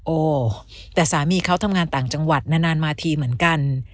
โอ้แต่สามีเขาทำงานต่างจังหวัดนานมาทีเหมือนกัน